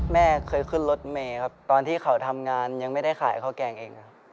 แม่เคยขึ้นรถเมย์ครับตอนที่เขาทำงานยังไม่ได้ขายข้าวแกงเองครับ